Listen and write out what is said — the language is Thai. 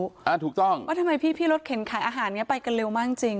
ว่าทำไมพี่รถเข็นขายอาหารเนี้ยไปกันเร็วมากจริง